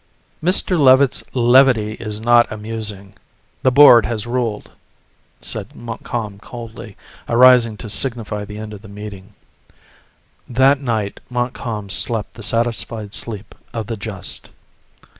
"Mr. Levitt's levity is not amusing. The board has ruled," said Montcalm coldly, arising to signify the end of the meeting. That night Montcalm slept the satisfied sleep of the just.